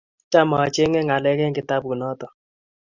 Cham achenge ngalek eng kitabut noto